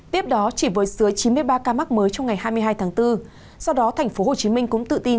tiếp đó chỉ với sửa chín mươi ba ca mắc mới trong ngày hai mươi hai tháng bốn do đó thành phố hồ chí minh cũng tự tin